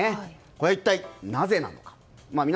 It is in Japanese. これは一体なぜなのか。